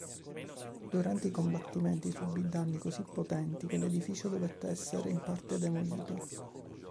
Durante i combattimenti subì danni così pesanti che l'edificio dovette essere in parte demolito.